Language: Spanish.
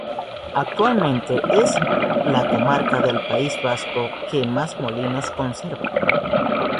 Actualmente, es la comarca del País Vasco que más molinos conserva.